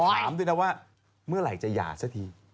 ถามด้วยนะว่าเมื่อไหร่จะหย่าซะที